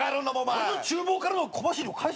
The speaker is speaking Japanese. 俺の厨房からの小走りを返せ